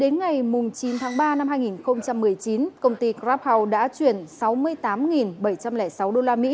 đến ngày chín tháng ba năm hai nghìn một mươi chín công ty grab house đã chuyển sáu mươi tám bảy trăm linh sáu usd